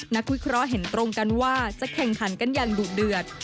นักวิเคราะห์เห็นตรงกันว่าจะแข่งขันกันอย่างดุเดือด